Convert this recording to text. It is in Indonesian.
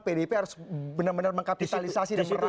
pdip harus benar benar mengkapitalisasi dan merawa